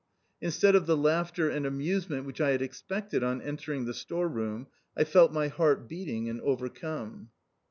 Instead of the laughter and amusement which I had expected on entering the store room, I felt my heart beating and overcome.